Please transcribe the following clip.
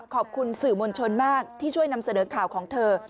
ขอบคุณสื่อมวลชนมากที่ช่วยนำเสนอข่าวของเธอ